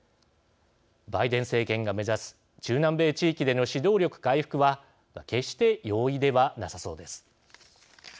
バイデン政権が目指す中南米地域での指導力回復は決して容易ではなさそうです。